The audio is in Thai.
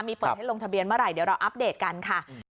มีเปิดให้ลงทะเบียนเมื่อไหร่เดี๋ยวเราอัปเดตกันค่ะ